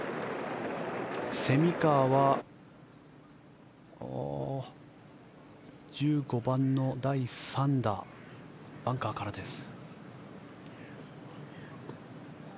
蝉川は１５番の第３打バンカーからです。